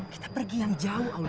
kita pergi yang jauh allah